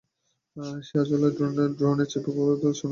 সে আসলে ড্রোনের চিপ তৈরি করে যা দিয়ে সৈন্যরা তাদের টার্গেট খুঁজে পায়।